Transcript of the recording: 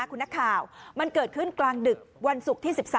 คุณนักข่าวมันเกิดขึ้นกลางดึกวันศุกร์ที่๑๓